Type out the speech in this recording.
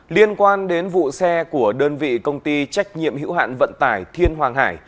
liên quan đến vụ xe của đơn vị công ty trách nhiệm hữu hạn vận tải thiên hoàng hải